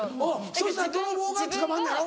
そしたら泥棒が捕まんのやろ？